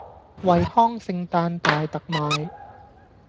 惠康聖誕大特賣